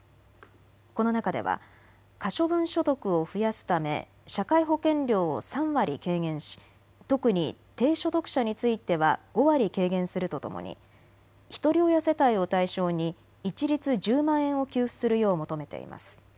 この中では可処分所得を増やすため社会保険料を３割軽減し特に低所得者については５割軽減するとともにひとり親世帯を対象に一律１０万円を給付するよう求めています。